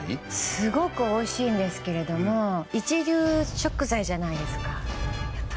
すごくおいしいんですけれども一流食材じゃないですか。